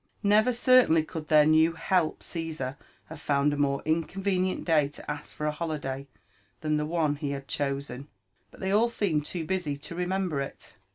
'» Never oertainly could their new "help" Caesar have found a more inconvenient day to ask for a holiday than the one he had chosen ; but they all seemed too busy to remember it.